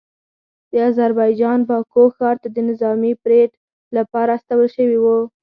د اذربایجان باکو ښار ته د نظامي پریډ لپاره استول شوي وو